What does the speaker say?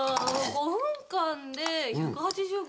５分間で１８５？